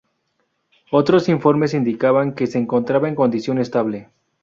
Otros informes indicaban que se encontraba en condición estable.